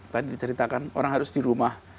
tadi diceritakan orang harus di rumah